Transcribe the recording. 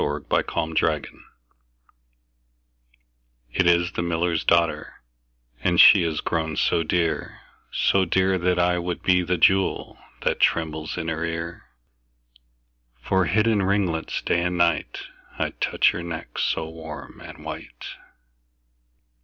The Miller's Daughter IT is the miller's daughter, And she is grown so dear, so dear, That I would be the jewel That trembles in her ear: For hid in ringlets day and night, 5 I'd touch her neck so warm and white.